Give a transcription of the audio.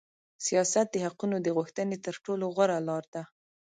سیاست د حقوقو د غوښتنې تر ټولو غوړه لار ده.